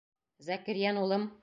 Зәкирйән улым...